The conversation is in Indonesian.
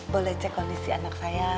boleh cek kondisi anak saya